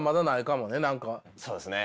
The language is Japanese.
そうですね。